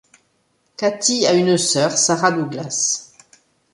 Katie a une sœur, Sarah Douglas.